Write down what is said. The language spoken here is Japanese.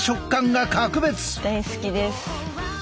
大好きです。